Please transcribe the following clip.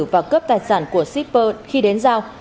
và cướp tài sản của shipper khi đến giao